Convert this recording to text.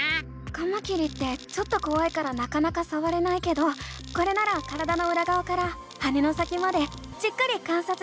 カマキリってちょっとこわいからなかなかさわれないけどこれなら体のうらがわから羽の先までじっくり観察できるね！